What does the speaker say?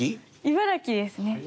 茨城ですね。